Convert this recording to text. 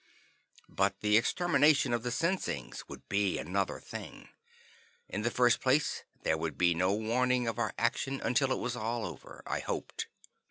But the extermination of the Sinsings would be another thing. In the first place, there would be no warning of our action until it was all over, I hoped.